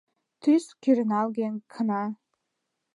Тӱс — кӱреналге, кына.